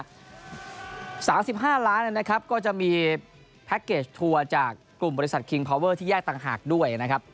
๓๕ล้านนะครับก็จะมีแพ็คเกจทัวร์จากกลุ่มบริษัทคิงพาวเวอร์ที่แยกต่างหากด้วยนะครับ